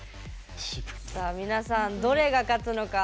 さあ皆さんどれが勝つのか